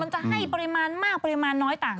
จะให้ปริมาณมากปริมาณน้อยต่าง